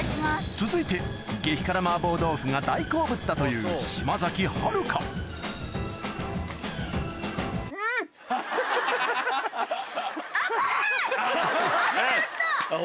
続いて激辛麻婆豆腐が大好物だという後からきた！